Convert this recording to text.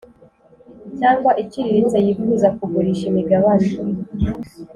cyangwa iciriritse yifuza kugurisha Imigabane